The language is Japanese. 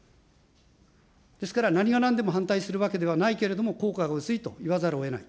ですから何がなんでも反対するわけではないけれども、効果が薄いと言わざるをえない。